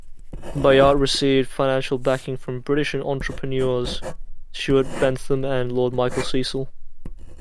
Bayat received financial backing from British entrepreneurs Stuart Bentham and Lord Michael Cecil.